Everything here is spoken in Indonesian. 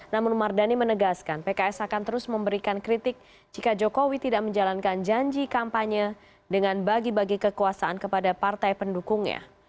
namun mardani menegaskan pks akan terus memberikan kritik jika jokowi tidak menjalankan janji kampanye dengan bagi bagi kekuasaan kepada partai pendukungnya